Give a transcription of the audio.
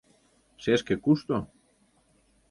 Шешке кушто?..